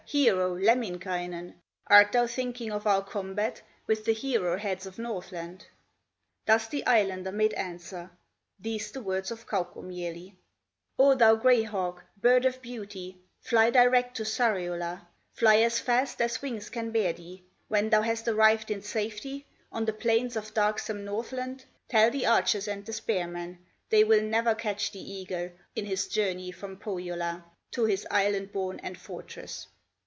hero, Lemminkainen, Art thou thinking of our combat With the hero heads of Northland?" Thus the Islander made answer, These the words of Kaukomieli: "O thou gray hawk, bird of beauty, Fly direct to Sariola, Fly as fast as wings can bear thee; When thou hast arrived in safety, On the plains of darksome Northland, Tell the archers and the spearmen, They will never catch the eagle, In his journey from Pohyola, To his Island home and fortress."